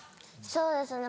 そうですね